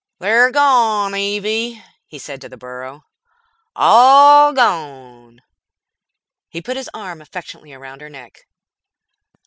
"They're gone, Evie," he said to the burro, "all gone." He put his arm affectionately around her neck.